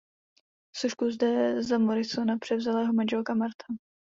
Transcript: Sošku zde za Morrisona převzala jeho manželka Martha.